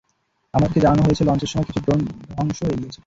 আমাদেরকে জানানো হয়েছে লঞ্চের সময় কিছু ড্রোন ধ্বংস হয়ে গেছে।